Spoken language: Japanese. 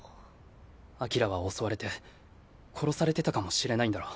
アキラは襲われて殺されてたかもしれないんだろ？